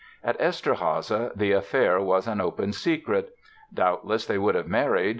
At Eszterháza the affair was an open secret. Doubtless they would have married.